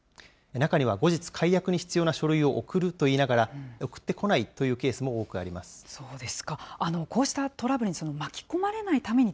中には後日、解約に必要な書類を送ると言いながら、送ってこないというケースもあります。